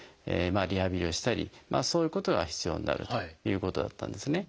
リハビリをしたりそういうことが必要になるということだったんですね。